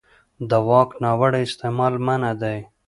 د واک ناوړه استعمال منع دی.